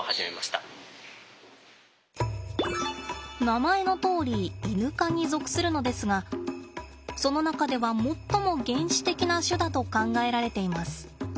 名前のとおりイヌ科に属するのですがその中では最も原始的な種だと考えられています。